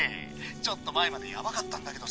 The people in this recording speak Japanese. ちょっと前までヤバかったんだけどさ